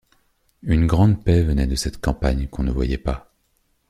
Une grande paix venait de cette campagne qu’on ne voyait pas.